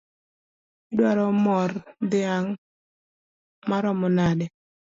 Idwaro mor dhiang’ maromo nade?